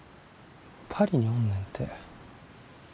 パリにおんねんて。